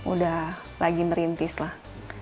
udah lagi merintis lah